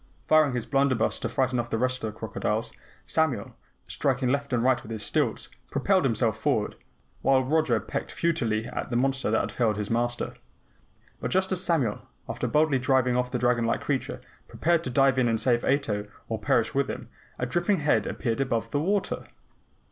Firing his blunderbuss to frighten off the rest of the crocodiles, Samuel, striking left and right with his stilts, propelled himself forward, while Roger pecked futilely at the monster that had felled his Master. But just as Samuel, after boldly driving off the dragon like creature, prepared to dive in and save Ato or perish with him, a dripping head appeared above the water.